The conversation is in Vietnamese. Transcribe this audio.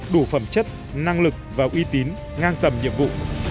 đủ phẩm chất năng lực và uy tín ngang tầm nhiệm vụ